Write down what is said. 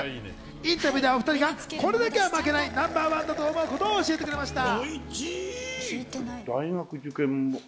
インタビューではお２人がこれだけは負けないナンバーワンだと思うことを教えてくれました。